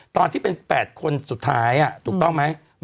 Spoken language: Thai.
ตอนที่เป็น๘คนสุดท้ายถูกต้องไหม